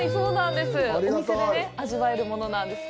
お店で味わえるものなんです。